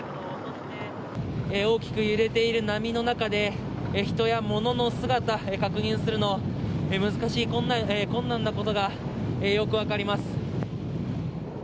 大きく揺れている波の中で人や物の姿、確認するのが困難なことがよく分かります。